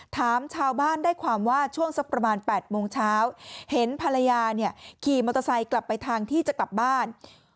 ถามชาวบ้านได้ความว่าช่วงสักประมาณ๘โมงเช้าเห็นภรรยาเนี่ยขี่มอเตอร์ไซค์กลับไปทางที่จะกลับบ้าน